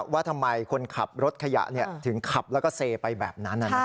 ว่าทำไมคนขับรถขยะถึงขับแล้วก็เซไปแบบนั้น